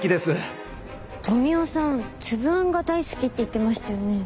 富雄さんつぶあんが大好きって言ってましたよね？